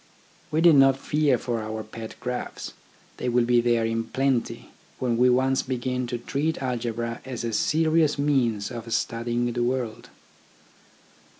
We need not fear for our pet graphs, they will be there in plenty when we once begin to treat algebra as a serious means of studying the world.